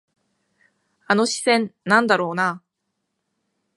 あの視線、なんだろうな。